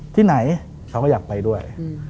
ที่ไหนเขาก็อยากไปด้วย